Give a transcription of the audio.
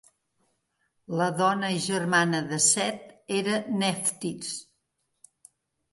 La dona i germana de Set era Neftis.